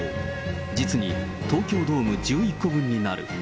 実に東京ドーム１１個分になる。